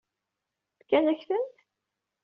Fkan-ak-tent?